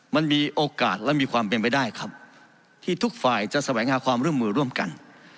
มันมีโอกาสและมีความเป็นไปได้ครับที่ทุกฝ่ายจะแสวงหาความร่วมมือร่วมกัน